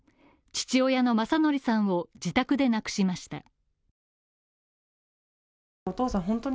父親の昌徳さんを自宅で亡くしました。